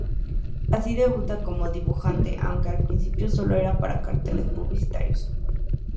Así debuta como dibujante, aunque al principio solo para carteles publicitarios.